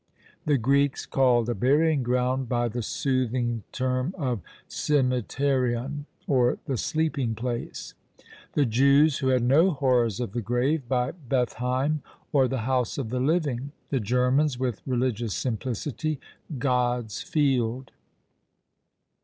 The Greeks called a burying ground by the soothing term of Coemeterion, or "the sleeping place;" the Jews, who had no horrors of the grave, by Beth haim, or, "the house of the living;" the Germans, with religious simplicity, "God's field."